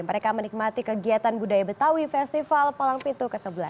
mereka menikmati kegiatan budaya betawi festival palang pintu ke sebelas